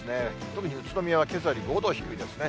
特に宇都宮はけさより５度低いですね。